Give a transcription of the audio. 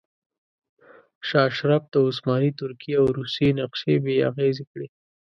شاه اشرف د عثماني ترکیې او روسیې نقشې بې اغیزې کړې.